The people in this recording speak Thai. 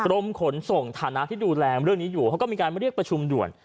รมขนส่งฐานะที่ดูแลเรื่องนี้อยู่เขาก็มีการเรียกประชุมด่วน